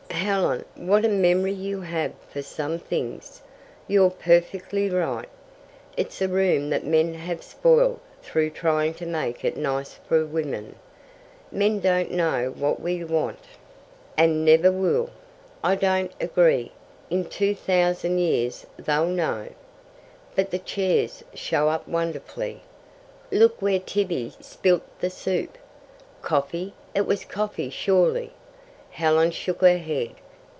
" "Helen, what a memory you have for some things! You're perfectly right. It's a room that men have spoilt through trying to make it nice for women. Men don't know what we want " "And never will." "I don't agree. In two thousand years they'll know." "But the chairs show up wonderfully. Look where Tibby spilt the soup." "Coffee. It was coffee surely." Helen shook her head.